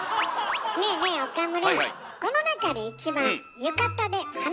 ねえねえ岡村。